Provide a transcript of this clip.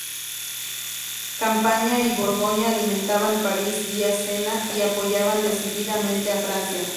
Champaña y Borgoña alimentaban París vía Sena, y apoyaban decididamente a Francia.